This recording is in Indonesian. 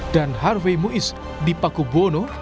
dan harvey muiz di paku bono